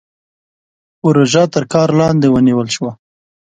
پروژه تر کار لاندې ونيول شوه.